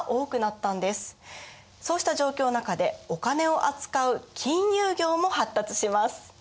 そうした状況の中でお金を扱う金融業も発達します。